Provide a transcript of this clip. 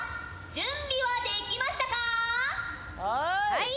はい。